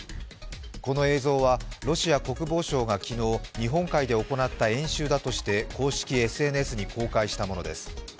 この映像はロシア国防省が昨日日本海で行った演習だとして公式ＳＮＳに公開したものです。